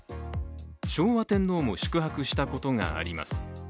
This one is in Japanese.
昭和天皇も宿泊したことがあります。